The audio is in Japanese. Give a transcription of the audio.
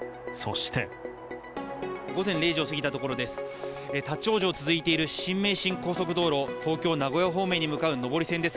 午前０時を過ぎたところです。